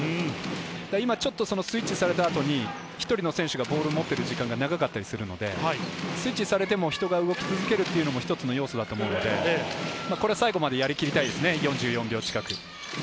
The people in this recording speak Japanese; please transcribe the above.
今ちょっとスイッチされた後に１人の選手がボールを持っている時間が長かったりするので、スイッチされても人が動き続けるのも一つの要素だと思うので、最後までやり切りたいですね、４４秒近く。